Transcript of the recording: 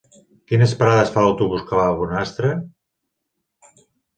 Quines parades fa l'autobús que va a Bonastre?